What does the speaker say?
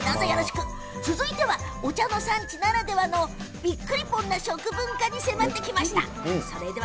続いては、お茶の産地ならではのびっくりぽんの食文化に迫ってきました。